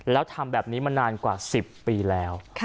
แล้วทำแบบนี้มานานกว่า๑๐ปีแล้ว